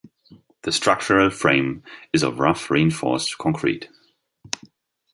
The structural frame is of rough reinforced concrete.